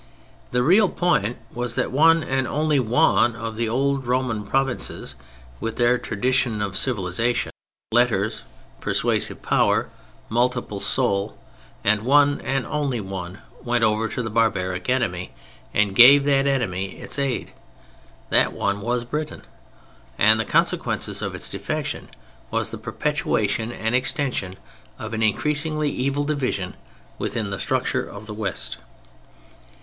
The real point was that one and only one of the old Roman provinces with their tradition of civilization, letters, persuasive power, multiple soul—one and only one went over to the barbaric enemy and gave that enemy its aid. That one was Britain. And the consequence of its defection was the perpetuation and extension of an increasingly evil division within the structure of the West.